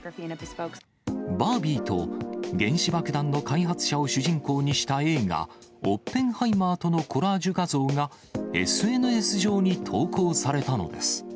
バービーと原子爆弾の開発者を主人公にした映画、オッペンハイマーとのコラージュ画像が、ＳＮＳ上に投稿されたのです。